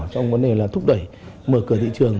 trong vấn đề là thúc đẩy mở cửa thị trường